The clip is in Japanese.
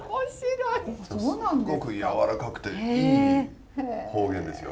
でもすっごく柔らかくていい方言ですよ。